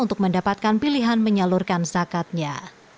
untuk mendapatkan pilihan menyalurkan zakatnya